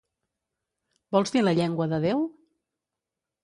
¿Vols dir la llengua de Déu?